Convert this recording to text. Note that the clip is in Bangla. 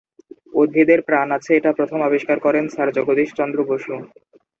উদ্ভিদের প্রাণ আছে এটা প্রথম আবিষ্কার করেন স্যার জগদীশ চন্দ্র বসু।